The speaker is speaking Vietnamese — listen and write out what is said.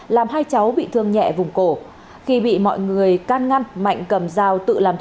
làm hai cháu bị thương nhẹ vùng cổ